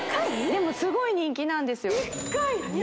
でもすごい人気なんですよ